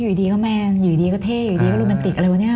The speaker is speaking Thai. อยู่ดีก็แมนอยู่ดีก็เท่อยู่ดีก็โรแมนติกอะไรวันนี้